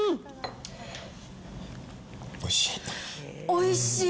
おいしい。